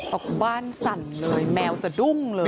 ออกบ้านสั่นเลยแมวสะดุ้งเลย